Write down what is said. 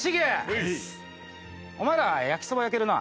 お前ら焼きそば焼けるな？